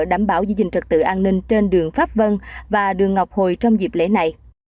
đảm bảo giữ gìn trật tự an ninh trên đường pháp vân và đường ngọc hồi trong dịp lễ này